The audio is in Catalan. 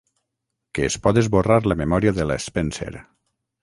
Que es pot esborrar la memòria de la Spencer.